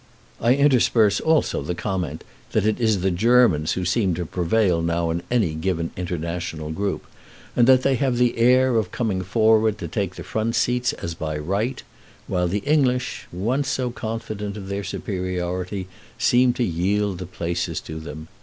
I intersperse also the comment that it is the Germans who seem to prevail now in any given international group, and that they have the air of coming forward to take the front seats as by right; while the English, once so confident of their superiority, seem to yield the places to them.